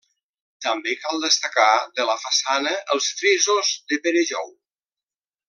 També cal destacar de la façana els frisos de Pere Jou.